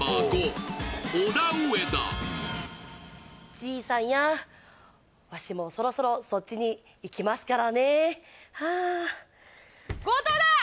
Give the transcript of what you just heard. じいさんやわしもそろそろそっちに行きますからねはあ強盗だ！